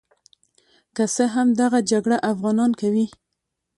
که څه هم دغه جګړه افغانان کوي.